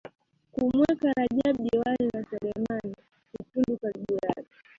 kumweka Rajab Diwani na Selemani Kitundu karibu yake